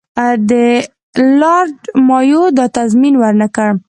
لارډ مایو دا تضمین ورنه کړ.